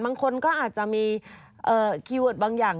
บางคนก็อาจจะมีคีย์เวิร์ดบางอย่าง